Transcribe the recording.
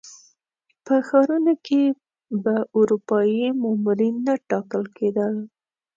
په ښارونو کې به اروپایي مامورین نه ټاکل کېږي.